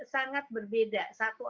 sangat berbeda satu